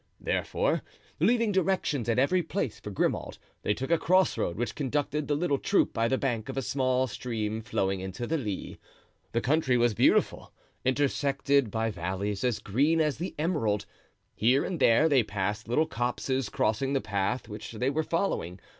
Therefore, leaving directions at every place for Grimaud, they took a crossroad which conducted the little troop by the bank of a small stream flowing into the Lys. The country was beautiful, intersected by valleys as green as the emerald. Here and there they passed little copses crossing the path which they were following.